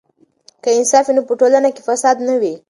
که انصاف وي نو په ټولنه کې فساد نه وي.